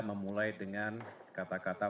memulai dengan kata kata